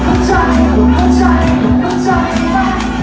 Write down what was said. โทษทีโทษทีโทษทีกัน